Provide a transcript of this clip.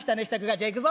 じゃあ行くぞ。